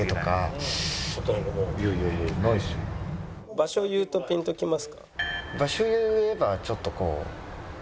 「場所言うとピンときますか？」。